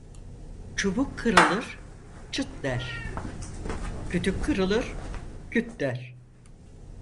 Çubuk kırılır, çıt der; kütük kırılır, küt der.